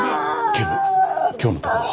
警部今日のところは。